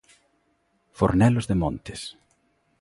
Fornelos de Montes.